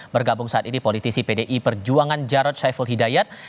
bergabung saat ini politisi pdi perjuangan jarod saiful hidayat